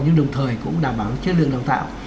nhưng đồng thời cũng đảm bảo chất lượng đào tạo